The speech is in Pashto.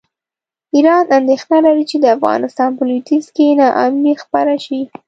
ایران اندېښنه لري چې د افغانستان په لویدیځ کې ناامني خپره شي.